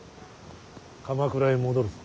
鎌倉へ戻るぞ。